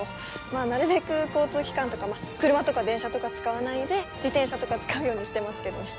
まあなるべく交通機関とか車とか電車とか使わないで自転車とか使うようにしてますけどね。